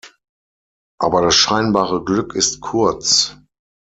Aber das scheinbare Glück ist kurz.